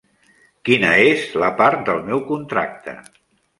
Quina és la part del meu contracte?